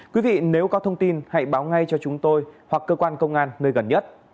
quý vị nếu có thông tin hãy báo ngay cho chúng tôi hoặc cơ quan công an nơi gần nhất